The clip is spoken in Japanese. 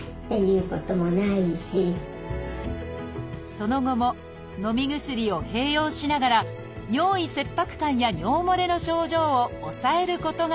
その後ものみ薬を併用しながら尿意切迫感や尿もれの症状を抑えることができています